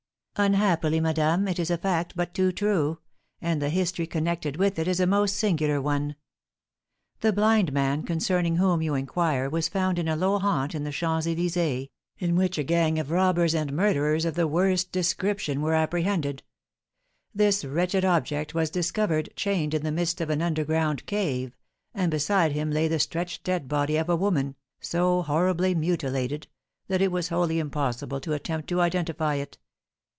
"Unhappily, madame, it is a fact but too true, and the history connected with it is a most singular one. The blind man concerning whom you inquire was found in a low haunt in the Champs Elysées, in which a gang of robbers and murderers of the worst description were apprehended; this wretched object was discovered, chained in the midst of an underground cave, and beside him lay stretched the dead body of a woman, so horribly mutilated that it was wholly impossible to attempt to identify it.